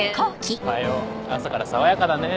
おはよう朝から爽やかだね。